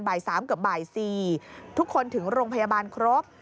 บ่าย๓เกือบบ่าย๔ทุกคนถึงโรงพยาบาลครบ